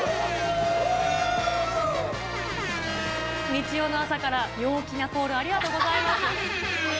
日曜の朝から陽気なコール、ありがとうございます。